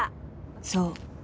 ［そう。